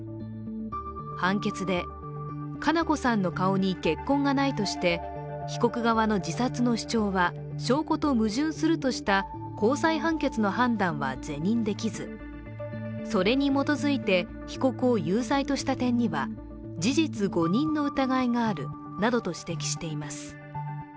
判決で、佳菜子さんの顔に血痕がないとして被告側の自殺の主張は証拠と矛盾するとした高裁判決の判断は是認できずそれに基づいて被告を有罪とした点には、事実誤認の疑いがあるなどと指摘しています。